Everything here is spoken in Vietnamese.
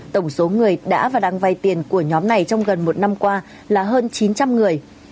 tổng số người đã và đang vay tiền của nhóm này trong gần một năm qua là hơn chín trăm linh người